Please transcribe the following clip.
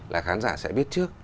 là khán giả sẽ biết trước